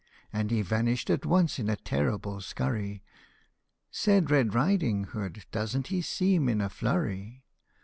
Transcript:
And he vanished at once in a terrible scurry ; Said Red Riding Hood, " Doesn't he seem in a flurry